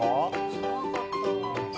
知らなかった。